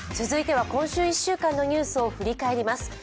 続いては今週１週間のニュースを振り返ります。